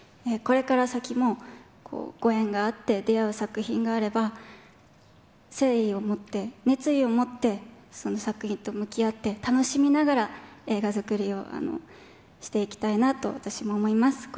これから先も、ご縁があって、出会う作品があれば、誠意を持って、熱意を持って、その作品と向き合って、楽しみながら、映画作りをしていきたいなと私も思います。